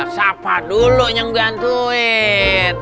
siapa dulu yang gantuin